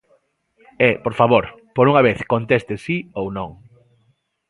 E, por favor, por unha vez conteste si ou non.